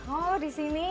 oh di sini